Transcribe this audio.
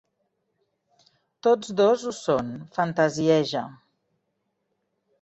Tots dos ho són, fantasieja.